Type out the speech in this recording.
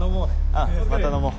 うんまた飲もう。